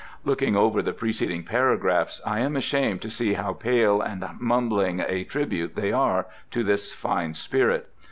Looking over the preceding paragraphs I am ashamed to see how pale and mumbling a tribute they are to this fine spirit.